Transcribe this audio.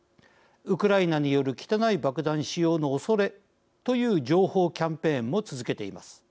ウクライナによる汚い爆弾使用のおそれという情報キャンペーンも続けています。